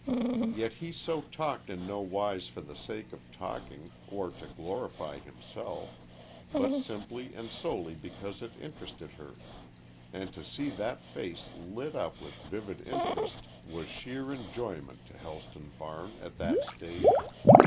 Yet he so talked in no wise for the sake of talking, or to glorify himself, but simply and solely because it interested her; and to see that face lit up with vivid interest was sheer enjoyment to Helston Varne at that stage.